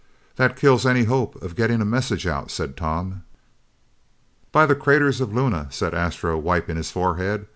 "That kills any hope of getting a message out," said Tom. "By the craters of Luna," said Astro, wiping his forehead.